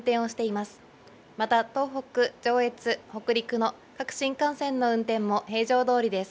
また東北、上越、北陸の各新幹線の運転も平常どおりです。